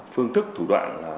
phương thức thủ đoạn